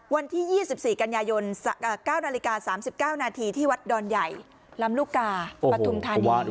วันที่๒๔กันยายน๙นาฬิกา๓๙นาทีที่วัดดอนใหญ่ลำลูกกาปฐุมธานี